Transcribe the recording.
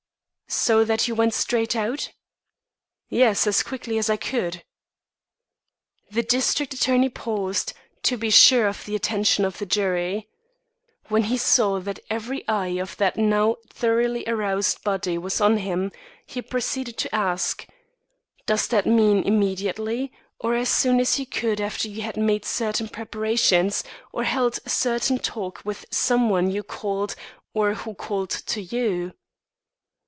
"So that you went straight out?" "Yes, as quickly as I could." The district attorney paused, to be sure of the attention of the jury. When he saw that every eye of that now thoroughly aroused body was on him, he proceeded to ask: "Does that mean immediately, or as soon as you could after you had made certain preparations, or held certain talk with some one you called, or who called to you?"